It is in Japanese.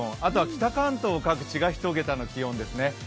北関東各地が１桁の気温ですね。